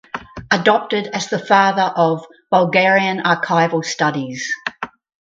Adopted as the father of "Bulgarian archival studies".